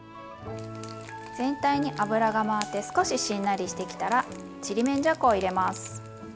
全体に油が回って少ししんなりしてきたらちりめんじゃこを入れます。